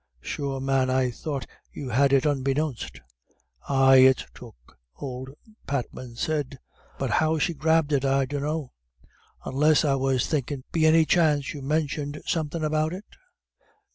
Sure, man, I thought you had it unbeknownst." "Aye, it's took," old Patman said, "but how she grabbed it I dunno, onless, I was thinkin', be any chance you mentioned somethin' about it?"